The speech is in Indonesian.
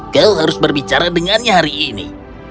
kau harus berbicara dengannya hari ini